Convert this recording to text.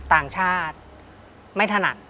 ที่ผ่านมาที่มันถูกบอกว่าเป็นกีฬาพื้นบ้านเนี่ย